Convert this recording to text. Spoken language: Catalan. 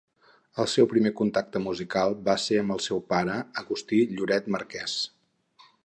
El seu primer contacte musical va ser amb el seu pare, Agustí Lloret Marqués.